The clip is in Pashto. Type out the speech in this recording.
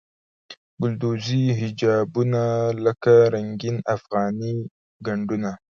ګلدوزي حجابونه لکه رنګین افغاني ګنډونه.